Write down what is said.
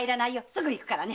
すぐ行くからね。